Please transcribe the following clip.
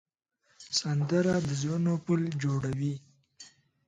سندره د زړونو پل جوړوي